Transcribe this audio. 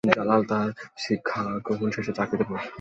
জালাল তার শিক্ষাগ্রহণ শেষে চাকরিতে প্রবেশ করেন।